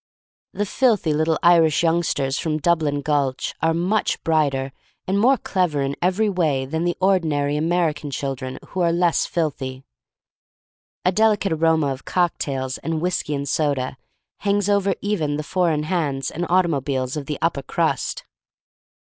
The filthy little Irish youngsters from Dublin Gulch are much brighter and more clever in every way than the ordinary American chil dren who are less filthy. A delicate aroma of cocktails and whiskey and soda hangs over even the four in hands and automobiles of the upper crust.